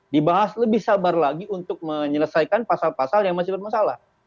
dibahas lebih sabar lagi untuk menyelesaikan pasal pasal yang masih bermasalah